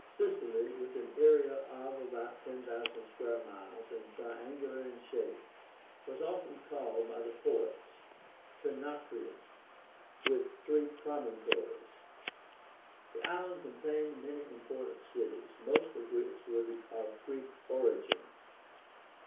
SICILY, with an area of about 10,000 square miles, and triangular in shape, was often called by the poets TRINACRIA (with three promontories). The island contained many important cities, most of which were of Greek origin.